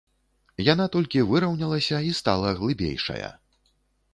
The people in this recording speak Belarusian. Яна толькі выраўнялася і стала глыбейшая.